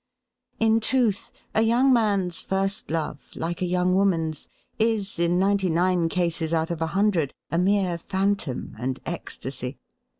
In truth, a young man's first love, like a young woman's, is in ninety nine cases out of a hundred a mere phantom and ecstasy.